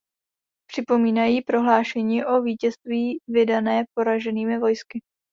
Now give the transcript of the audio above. Připomínají prohlášení o vítězství vydané poraženými vojsky.